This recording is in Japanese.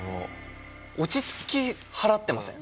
落ち着き払ってません？